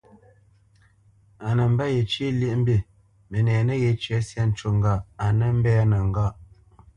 A nə mbə̄ yecyə́ lyéʼmbî, mənɛ nəghé cə syâ cú ŋgâʼ a nə́ mbɛ́nə́ ŋgâʼ.